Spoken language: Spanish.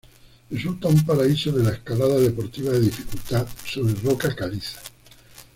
Resulta un paraíso de la escalada deportiva de dificultad sobre roca caliza.